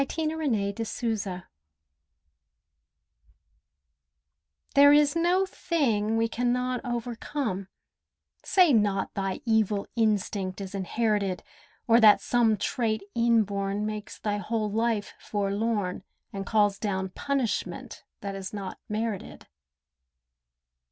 THE ETERNAL WILL There is no thing we cannot overcome Say not thy evil instinct is inherited, Or that some trait inborn makes thy whole life forlorn, And calls down punishment that is not merited.